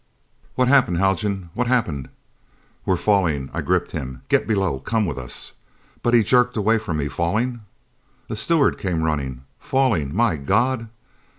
"What's happened, Haljan? What's happened?" "We're falling!" I gripped him. "Get below. Come with us." But he jerked away from me. "Falling?" A steward came running. "Falling? My God!"